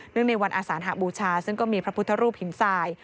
ในวันอาสานหบูชาซึ่งก็มีพระพุทธรูปหินทราย